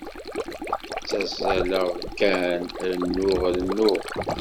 Ttazzaleɣ kan, rennuɣ, rennuɣ.